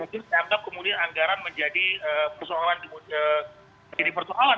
jadi saya anggap kemudian anggaran menjadi persoalan